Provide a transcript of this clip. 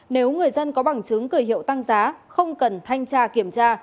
nếu người dân có bằng chứng gửi hiệu tăng giá không cần thanh tra kiểm tra